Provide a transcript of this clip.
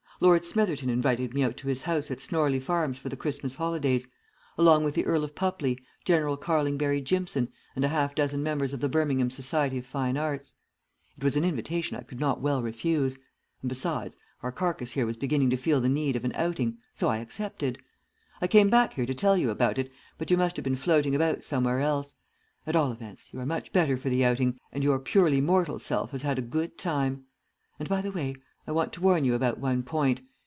Lord Smitherton invited me out to his house at Snorley Farms for the Christmas holidays along with the Earl of Pupley, General Carlingberry Jimpson, and a half dozen members of the Birmingham Society of Fine Arts. It was an invitation I could not well refuse, and, besides, our carcass here was beginning to feel the need of an outing, so I accepted. I came back here to tell you about it, but you must have been floating about somewhere else. At all events, you are much better for the outing, and your purely mortal self has had a good time. And, by the way, I want to warn you about one point.